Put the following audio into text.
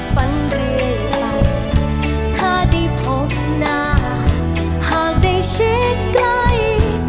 ฟันเรื่อยไปถ้าได้พบหน้าหากได้เช็ดกลาง